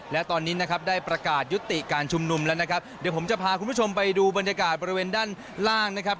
และตอนนี้นะครับได้ประกาศยุติการชุมนุมแล้วนะครับเดี๋ยวผมจะพาคุณผู้ชมไปดูบรรยากาศบริเวณด้านล่างนะครับ